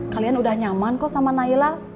kalian udah nyaman kok sama naila